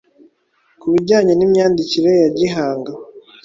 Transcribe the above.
Ku bijyanye n’imyandikire ya gihanga,